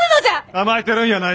甘えてるんやない！